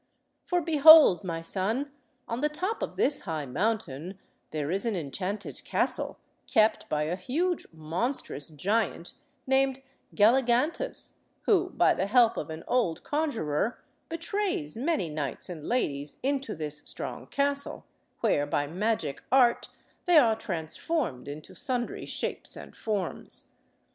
For, behold! my son, on the top of this high mountain there is an enchanted castle kept by a huge monstrous giant named Galligantus, who, by the help of an old conjuror, betrays many knights and ladies into this strong castle, where, by magic art, they are transformed into sundry shapes and forms.